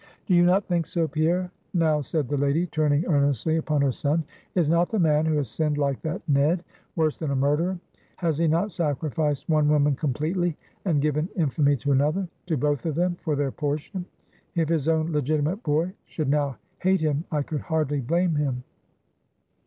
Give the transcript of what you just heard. "Do you not think so, Pierre" now, said the lady, turning earnestly upon her son "is not the man, who has sinned like that Ned, worse than a murderer? Has he not sacrificed one woman completely, and given infamy to another to both of them for their portion. If his own legitimate boy should now hate him, I could hardly blame him."